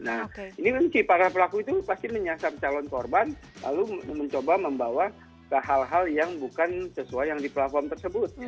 nah ini para pelaku itu pasti menyasar calon korban lalu mencoba membawa ke hal hal yang bukan sesuai yang di platform tersebut